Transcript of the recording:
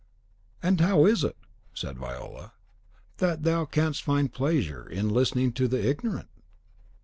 "And how is it," said Viola, "that thou canst find pleasure in listening to the ignorant?"